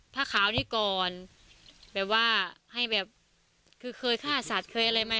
ผ้าขาวนี้ก่อนแบบว่าให้แบบคือเคยฆ่าสัตว์เคยอะไรไหม